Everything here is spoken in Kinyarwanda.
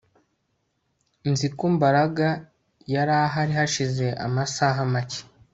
Nzi ko Mbaraga yari ahari hashize amasaha make